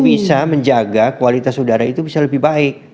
bisa menjaga kualitas udara itu bisa lebih baik